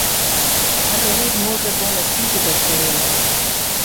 Ha rebut moltes bones crítiques per ella.